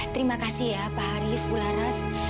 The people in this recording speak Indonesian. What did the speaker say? terima kasih ya pak haris bu laras